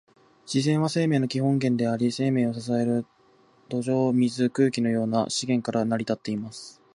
自然は、生命の基本的な源であり、生命を支える土壌、水、空気のような資源から成り立っています。